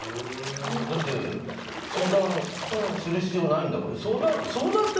だって相談する必要ないんだもん。